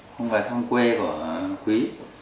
không về thăm quê của quý